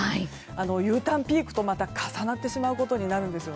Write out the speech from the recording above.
Ｕターンピークと重なってしまうことになります。